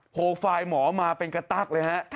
โปรไฟล์หมอมาเป็นกระตั๊กเลยฮะ